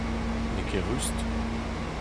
N'eo ket rust.